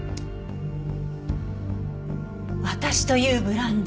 「私というブランド」